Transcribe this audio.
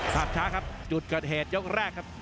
ภาพช้าครับจุดเกิดเหตุยกแรกครับ